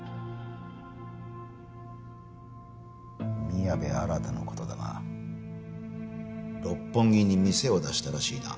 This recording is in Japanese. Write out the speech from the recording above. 宮部新の事だが六本木に店を出したらしいな？